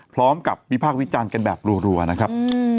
พร้อมกับวิพากษ์วิจารณ์กันแบบรัวนะครับ